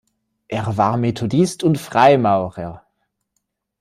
Er war Methodist und Freimaurer.